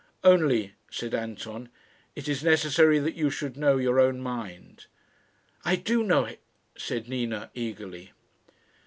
"Only," said Anton, "it is necessary that you should know your own mind." "I do know it," said Nina, eagerly.